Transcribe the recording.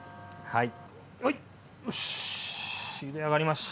はい。